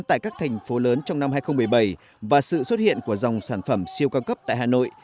tại các thành phố lớn trong năm hai nghìn một mươi bảy và sự xuất hiện của dòng sản phẩm siêu cao cấp tại hà nội